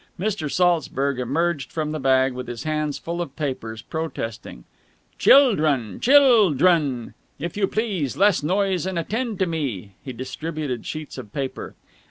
Mr. Saltzburg emerged from the bag, with his hands full of papers, protesting. "Childrun! Chil drun! If you please, less noise and attend to me!" He distributed sheets of paper.